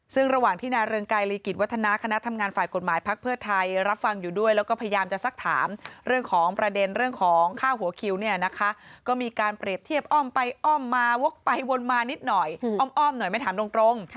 ซึ่งระหว่างที่นายเรืองไกรลีกิจวัฒนาคณะทำงานฝ่ายกฎหมายพักเพื่อไทยรับฟังอยู่ด้วยแล้วก็พยายามจะสักถามเรื่องของประเด็นเรื่องของค่าหัวคิวเนี่ยนะคะก็มีการเปรียบเทียบอ้อมไปอ้อมมาวกไปวนมานิดหน่อยอ้อมหน่อยไม่ถามตรง